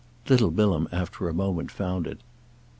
Little Bilham after a moment found it.